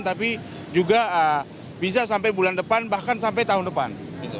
tapi juga bisa sampai bulan depan bahkan sampai tahun depan